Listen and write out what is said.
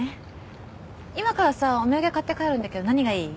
今からさお土産買って帰るんだけど何がいい？